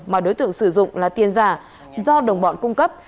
mà đối tượng sử dụng là tiền giả do đồng bọn cung cấp